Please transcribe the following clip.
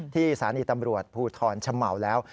ที่สาริตำรวจภูทรชมแล้ว